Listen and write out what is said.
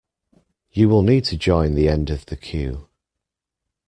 You will need to join the end of the queue.